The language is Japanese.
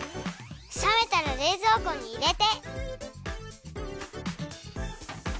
さめたられいぞうこにいれて。